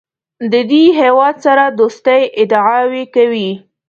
د دې هېواد سره د دوستۍ ادعاوې کوي.